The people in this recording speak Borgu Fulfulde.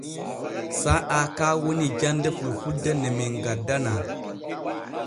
Saa'a ka woni jande fulfulde ne men gaddanaa.